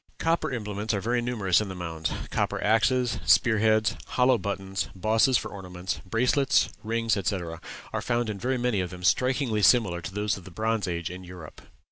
Copper implements are very numerous in the mounds. Copper axes, spear heads, hollow buttons, bosses for ornaments, bracelets, rings, etc., are found in very many of them strikingly similar to those of the Bronze Age in Europe.